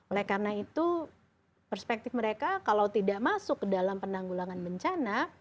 oleh karena itu perspektif mereka kalau tidak masuk ke dalam penanggulangan bencana